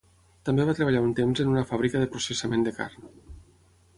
També va treballar un temps en una fàbrica de processament de carn.